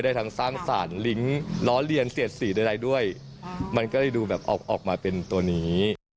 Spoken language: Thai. ทั้งสร้างสารลิงก์ล้อเลียนเสียดสีใดด้วยมันก็เลยดูแบบออกมาเป็นตัวนี้